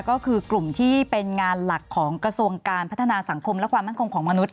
ก็คือกลุ่มที่เป็นงานหลักของกระทรวงการพัฒนาสังคมและความมั่นคงของมนุษย